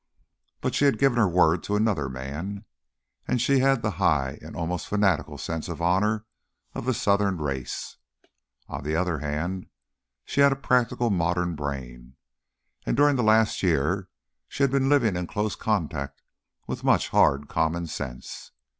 But she had given her word to another man, and she had the high and almost fanatical sense of honour of the Southern race. On the other hand, she had a practical modern brain, and during the last year she had been living in close contact with much hard common sense.